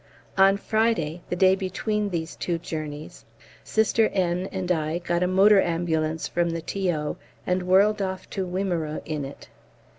On Friday the day between these two journeys Sister N. and I got a motor ambulance from the T.O. and whirled off to Wimereux in it.